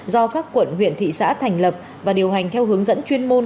do các quận huyện thị xã thành lập và điều hành theo hướng dẫn chuyên môn